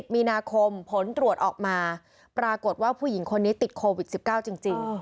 มีนาคมผลตรวจออกมาปรากฏว่าผู้หญิงคนนี้ติดโควิด๑๙จริง